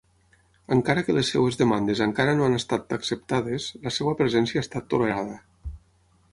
Encara que les seves demandes encara no han estat acceptades, la seva presència ha estat tolerada.